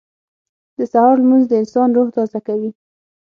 • د سهار لمونځ د انسان روح تازه کوي.